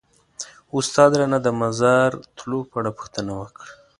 استاد رانه د مزار تلو په اړه پوښتنه وکړه.